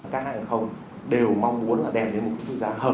các hàng thông đều mong muốn đem đến một cái giá hầm